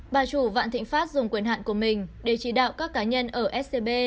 bà chủ vạn thịnh pháp dùng quyền hạn của mình để chỉ đạo các cá nhân ở scb